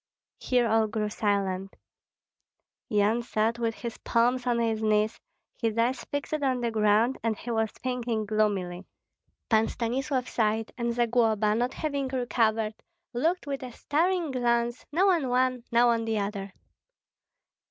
Here all grew silent. Yan sat with his palms on his knees, his eyes fixed on the ground, and he was thinking gloomily. Pan Stanislav sighed; and Zagloba, not having recovered, looked with a staring glance, now on one, now on the other.